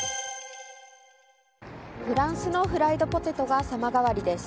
フランスのフライドポテトが様変わりです。